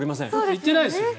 言ってないですよね。